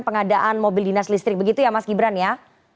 pengadaan mobil dinas listrik begitu ya mas gibran ya